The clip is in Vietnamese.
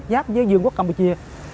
giáp với vương quốc campuchia